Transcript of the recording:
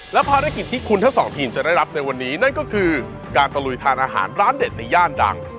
และภารกิจที่คุณทั้งสองทีมจะได้รับในวันนี้นั่นก็คือการตะลุยทานอาหารร้านเด็ดในย่านดัง